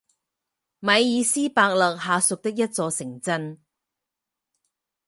米尔斯伯勒下属的一座城镇。